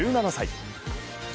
１７歳。